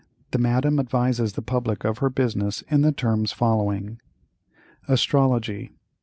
The Madame advises the public of her business in the terms following: "ASTROLOGY.